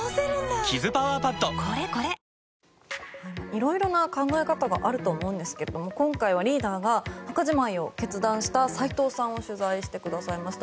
色々な考え方があると思うんですが今回はリーダーが墓じまいを決断した齋藤さんを取材してくださいました。